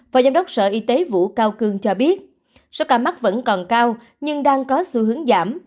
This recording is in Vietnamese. phó giám đốc sở y tế vũ cao cương cho biết số ca mắc vẫn còn cao nhưng đang có xu hướng giảm